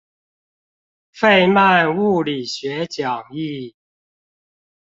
費曼物理學講義